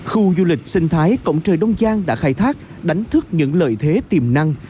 khu du lịch sinh thái cổng trời đông giang đã khai thác đánh thức những lợi thế tiềm năng